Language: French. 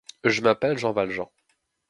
Je m'appelle Jean Valjean.